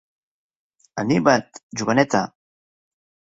anima't, joveneta!